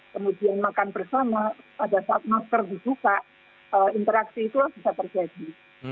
kemudian makan bersama pada saat masker dibuka interaksi itulah bisa terjadi